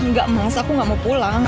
enggak mas aku gak mau pulang